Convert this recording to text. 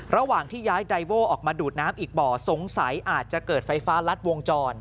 ระหว่างที่ย้ายไดโว้ออกมาดูดน้ำอีกบ่อสงสัยอาจจะเกิดไฟฟ้ารัดวงจร